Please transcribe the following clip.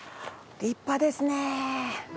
立派ですね。